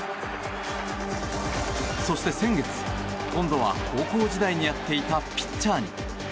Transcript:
そして先月今度は高校時代にやっていたピッチャーに。